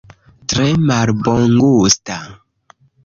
Tre malbongusta.